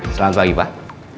selamat pagi pak